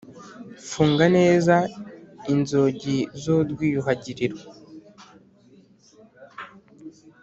Funga neza inzugi z, urwiyuhagiriro